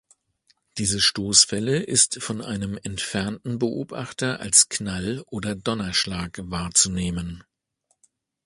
Diese Stoßwelle ist von einem entfernten Beobachter als Knall oder Donnerschlag wahrzunehmen.